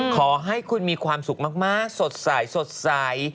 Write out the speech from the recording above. ขอให้คุณมีความสุขมากสดใสสดใส